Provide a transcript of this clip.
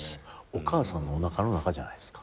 お母さんのおなかの中じゃないですか。